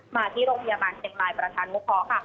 มาที่โรงพยาบาลเซ็นไลน์ประธานมุมคอค่ะ